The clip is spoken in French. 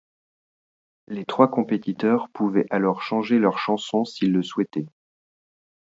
Les trois compétiteurs pouvaient alors changer leur chanson s'ils le souhaitaient.